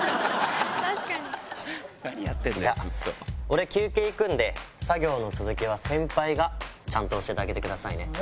じゃあ、俺、休憩行くんで、作業の続きは先輩がちゃんと教えてあげてください